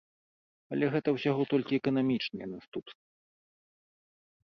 Але гэта ўсяго толькі эканамічныя наступствы.